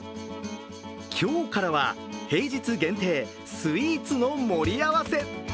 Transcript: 今日からは、平日限定スイーツの盛り合わせ。